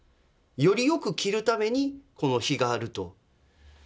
よりよく切るためにこの樋があると。